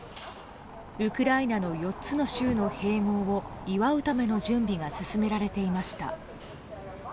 ウクライナの４つの州の併合を祝うための準備が進められていました。